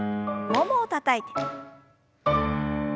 ももをたたいて。